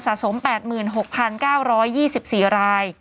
สะสม๘๖๙๒๔ราย